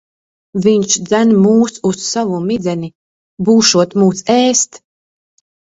Viņš dzen mūs uz savu midzeni. Būšot mūs ēst.